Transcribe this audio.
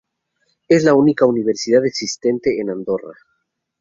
Es la única universidad existente en Andorra.